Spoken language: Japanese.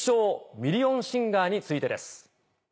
ミリオンシンガー』についてです。